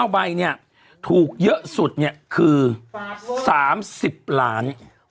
๙ใบเนี่ยถูกเยอะสุดเนี่ยคือ๓๐ล้าน